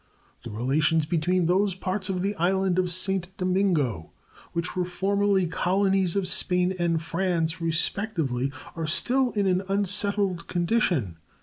The relations between those parts of the island of St. Domingo which were formerly colonies of Spain and France, respectively, are still in an unsettled condition.